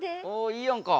いいやんか。